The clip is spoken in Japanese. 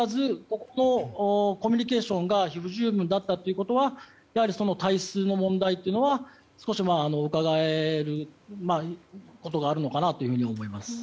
そうにもかかわらずコミュニケーションが不十分だったということは体質の問題というのは少しうかがえることがあるのかなと思います。